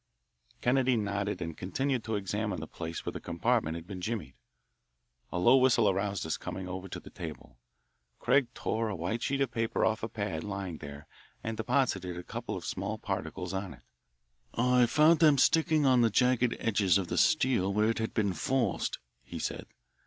Kennedy nodded and continued to examine the place where the compartment had been jimmied. A low whistle aroused us: coming over to the table, Craig tore a white sheet of paper off a pad lying there and deposited a couple of small particles on it. "I found them sticking on the jagged edges of the steel where it had been forced," he said.